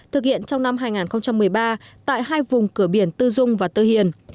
thực hiện trong năm hai nghìn một mươi ba tại hai vùng cửa biển tư dung và tư hiền